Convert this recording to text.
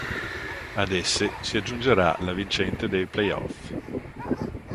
Ad esse si aggiungerà la vincente dei play-off.